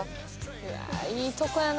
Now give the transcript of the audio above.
いやいいとこやな。